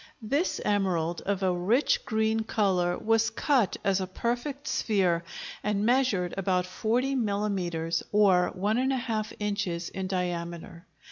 This emerald, of a rich green color, was cut as a perfect sphere and measured about 40 millimetres, or 1½ inches, in diameter.